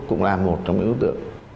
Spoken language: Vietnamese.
cũng là một trong những đối tượng